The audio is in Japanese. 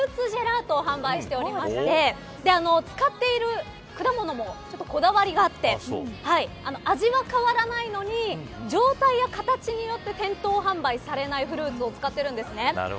今回フルーツジェラートを発売しておりまして使っている果物もこだわりがあって味は変わらないのに状態や形によって店頭販売されないフルーツを使っているんです。